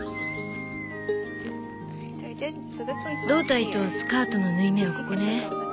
胴体とスカートの縫い目はここね。